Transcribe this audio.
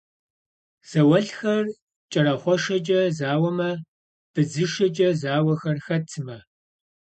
Зауэлӏхэр кӏэрахъуэшэкӏэ зауэмэ, быдзышэкӏэ зауэхэр хэт сымэ?